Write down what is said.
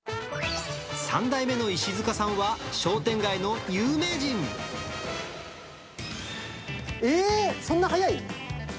３代目の石塚さんは、商店街の有名人。えー、そんな速い？